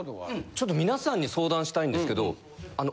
ちょっと皆さんに相談したいんですけど。